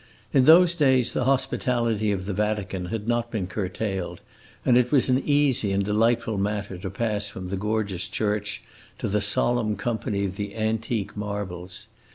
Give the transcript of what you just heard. In those days the hospitality of the Vatican had not been curtailed, and it was an easy and delightful matter to pass from the gorgeous church to the solemn company of the antique marbles.